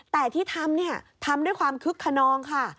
แต่ที่ทำเนี่ยทำทำด้วยความคึกขนองค่ะ